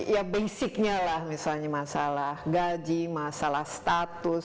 ya basicnya lah misalnya masalah gaji masalah status